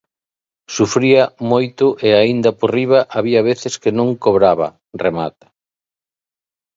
"Sufría moito e aínda por riba había veces que non cobraba", remata.